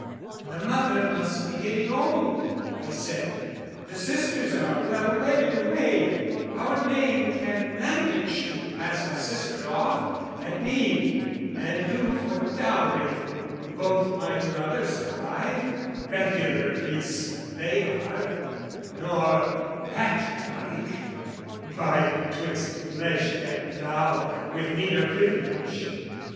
"The mother must be getting old," I said, "The sisters are well wedded away, our name "Can manage to pass a sister off, at need, "And do for dowry: both my brothers thrive "Regular priests they are, nor, hat like, 'bide "'Twixt flesh and fowl with neither privilege.